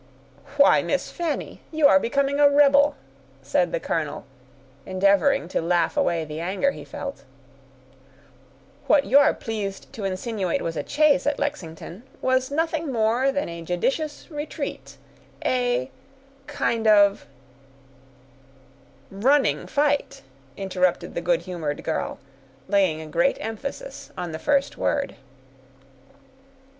"Why, Miss Fanny, you are becoming a rebel," said the colonel, endeavoring to laugh away the anger he felt; "what you are pleased to insinuate was a chase at Lexington, was nothing more than a judicious retreat—a—kind of—" "Running fight," interrupted the good humored girl, laying a great emphasis on the first word.